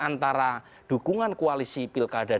antara dukungan koalisi pilkada